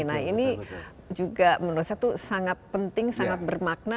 nah ini juga menurut saya itu sangat penting sangat bermakna